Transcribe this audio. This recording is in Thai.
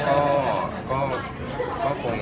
มีแค่ตอบหน้า